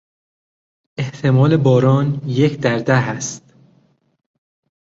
احتمال باران یک در ده است.